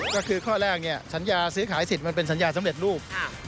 ก็คือข้อแรกเนี่ยสัญญาซื้อขายสิทธิ์มันเป็นสัญญาสำเร็จรูป